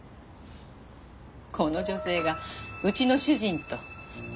この女性がうちの主人と？